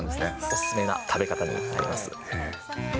お勧めな食べ方になります。